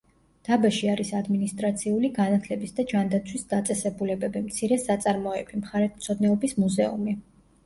დაბაში არის ადმინისტრაციული, განათლების და ჯანდაცვის დაწესებულებები, მცირე საწარმოები, მხარეთმცოდნეობის მუზეუმი.